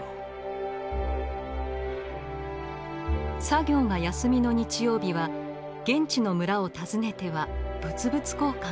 作業が休みの日曜日は現地の村を訪ねては物々交換。